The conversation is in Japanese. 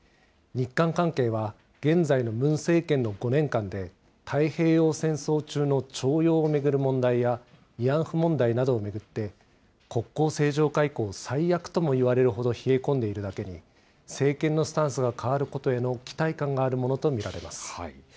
日韓関係は現在のムン政権の５年間で、太平洋戦争中の徴用を巡る問題や慰安婦問題などを巡って、国交正常化以降最悪ともいわれるほど冷え込んでいるだけに、政権のスタンスが変わることへの期待感があるものと見られます。